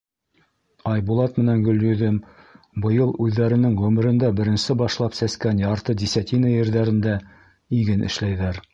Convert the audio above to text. Айбулат менән Гөлйөҙөм быйыл үҙҙәренең ғүмерендә беренсе башлап сәскән ярты десятина ерҙәрендә иген эшләйҙәр.